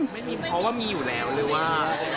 ไม่มีเพราะว่ามีอยู่แล้วหรือว่า